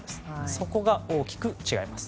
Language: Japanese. そこが大きく違います。